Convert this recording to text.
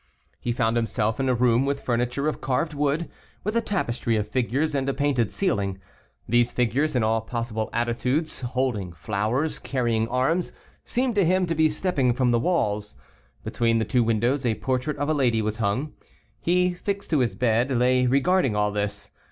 He found himself in a room with furniture of carved wood, with a tapestry of figures, and a painted ceiling. These figures, in all possible attitudes, holding flowers, carrying arms, seemed to him to be stepping from the walls. Between the two windows a portrait of a lady was hung. He, fixed to his bed, lay regarding all this.